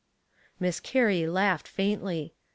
Miss Carrie laughed faintly.